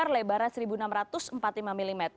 lebarnya seribu enam ratus empat puluh lima mm